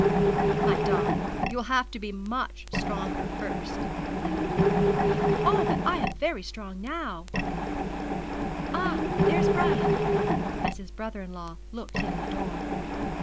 'My darling, you will have to be much stronger first,' said Ida. 'Oh, but I am very strong now, Ah, there's Brian,' as his brother in law looked in at the door.